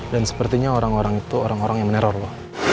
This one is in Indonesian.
dan sepertinya orang orang itu orang orang yang meneror lo